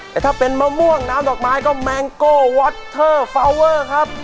แต่ถ้าเป็นมะม่วงน้ำดอกไม้ก็แมงโก้วอตเทอร์ฟาวเวอร์ครับ